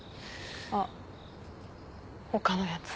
あっ他のやつ。